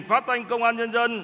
phát thanh công an nhân dân